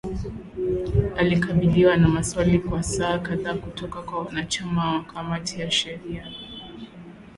alikabiliwa na maswali kwa saa kadhaa kutoka kwa wanachama wa kamati ya sheria